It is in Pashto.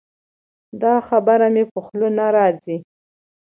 دا خبره مې په خوله نه راځي.